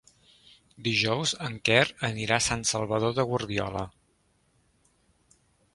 Dijous en Quer anirà a Sant Salvador de Guardiola.